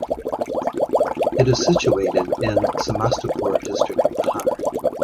It is situated in Samastipur district of Bihar.